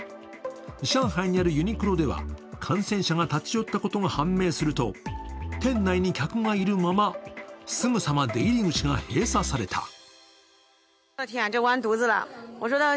上海にあるユニクロでは感染者が立ち寄ったことが判明すると店内に客がいるまま、すぐさま出入り口が閉鎖された。